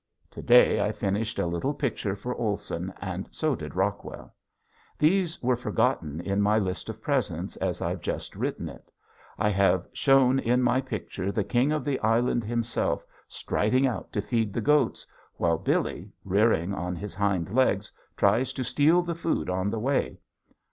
To day I finished a little picture for Olson and so did Rockwell. These were forgotten in my list of presents as I've just written it. I have shown in my picture the king of the island himself striding out to feed the goats while Billy, rearing on his hind legs, tries to steal the food on the way.